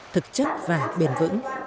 thực chất và bền vững